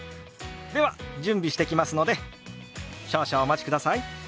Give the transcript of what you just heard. では準備してきますので少々お待ちください。